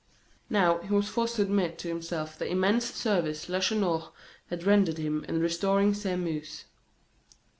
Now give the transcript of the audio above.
Now he was forced to admit to himself the immense service Lacheneur had rendered him in restoring Sairmeuse.